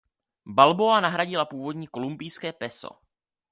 Balboa nahradila původní kolumbijské peso.